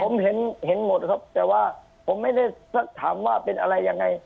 ผมเห็นเห็นหมดครับแต่ว่าผมไม่ได้สักถามว่าเป็นอะไรยังไง